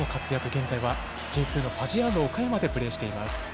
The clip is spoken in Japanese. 現在はＪ２のファジアーノ岡山でプレーしています。